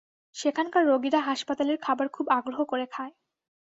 সেখানকার রোগীরা হাসপাতালের খাবার খুব আগ্রহ করে খায়।